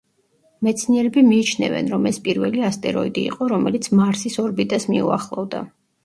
მეცნიერები მიიჩნევენ, რომ ეს პირველი ასტეროიდი იყო, რომელიც მარსის ორბიტას მიუახლოვდა.